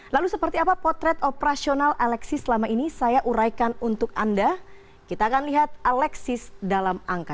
lalu seperti apa potret operasional alexis selama ini saya uraikan untuk anda kita akan lihat alexis dalam angka